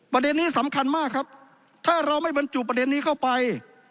ประเด็นนี้สำคัญมากครับถ้าเราไม่บรรจุประเด็นนี้เข้าไป